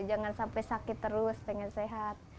jangan sampai sakit terus pengen sehat